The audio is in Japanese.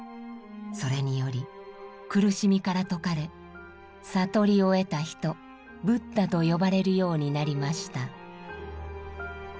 それにより苦しみから解かれ「悟りを得た人」ブッダと呼ばれるようになりました。